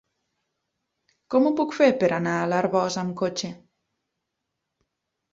Com ho puc fer per anar a l'Arboç amb cotxe?